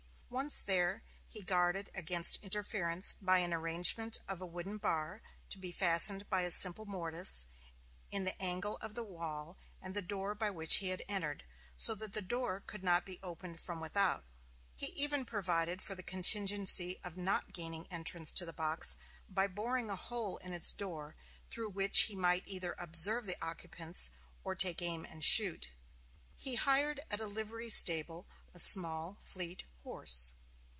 Once there, he guarded against interference by an arrangement of a wooden bar to be fastened by a simple mortise in the angle of the wall and the door by which he had entered, so that the door could not be opened from without. He even provided for the contingency of not gaining entrance to the box by boring a hole in its door, through which he might either observe the occupants, or take aim and shoot. He hired at a livery stable a small, fleet horse.